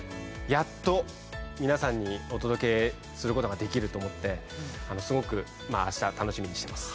やっと皆さんにお届けすることができると思ってすごく明日楽しみにしてます